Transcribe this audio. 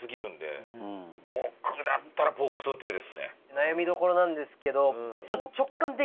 悩みどころなんですけど。